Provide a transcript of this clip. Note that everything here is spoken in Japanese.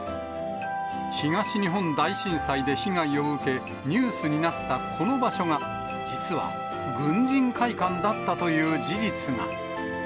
東日本大震災で被害を受け、ニュースになったこの場所が、実は、軍人会館だったという事実が。